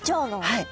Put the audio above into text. はい。